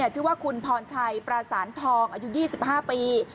ชื่อว่าคุณพรชัยประสานทองอายุ๒๕ปี